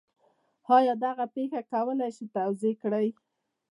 آیا دغه پېښه کولی شئ توضیح کړئ؟